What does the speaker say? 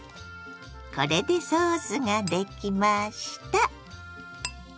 これでソースができました。